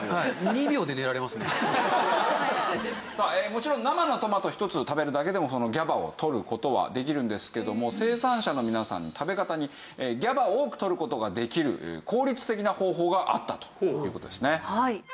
もちろん生のトマト１つ食べるだけでもＧＡＢＡをとる事はできるんですけども生産者の皆さんの食べ方にＧＡＢＡを多くとる事ができる効率的な方法があったという事ですね。